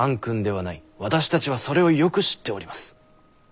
私たちはそれをよく知っております。